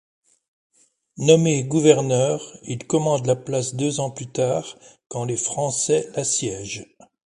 Nommé gouverneur, il commande la place deux ans plus tard quand les Français l'assiègent.